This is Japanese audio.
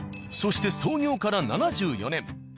そして創業から７４年。